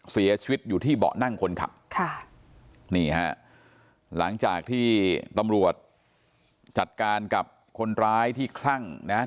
เสียชีวิตอยู่ที่เบาะนั่งคนขับค่ะนี่ฮะหลังจากที่ตำรวจจัดการกับคนร้ายที่คลั่งนะฮะ